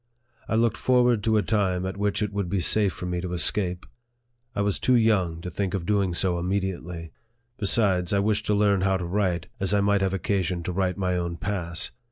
I looked forward to a time at which it would be safe for me to escape. I was too young to think of doing so immediately ; besides, I wished to learn how to write, as I might have occasion to write my own oass.